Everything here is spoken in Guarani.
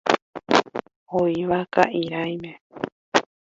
Oĩva ka'irãime.